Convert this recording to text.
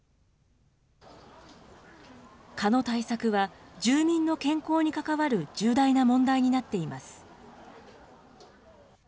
蚊の対策は、住民の健康に関わる重大な問題になっています。